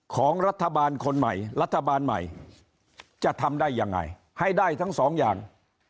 ของรัฐบาลคนใหม่รัฐบาลใหม่จะทำได้ยังไงให้ได้ทั้งสองอย่าง